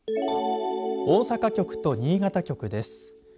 大阪局と新潟局です。